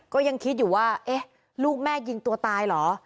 ก็ยังคิดอยู่ว่าเอ๊ะลูกแม่ยิงตัวตายเหรอ